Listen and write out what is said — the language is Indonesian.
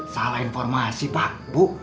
salah informasi pak bu